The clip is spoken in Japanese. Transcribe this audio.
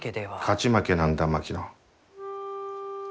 勝ち負けなんだ槙野。